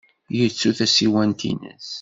Yettu tasiwant-nnes.